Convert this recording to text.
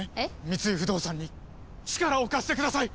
三井不動産に力を貸してください！